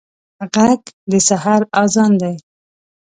غږ د سحر اذان دی